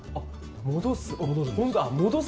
戻す？